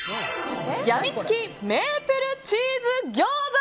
病みつきメープルチーズ餃子。